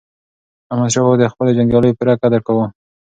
احمدشاه بابا د خپلو جنګیالیو پوره قدر کاوه.